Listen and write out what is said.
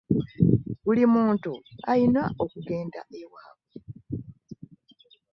Buli muntu alina okugenda e waabwe.